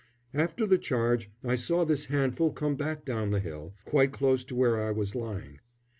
After the charge I saw this handful come back down the hill, quite close to where I was lying.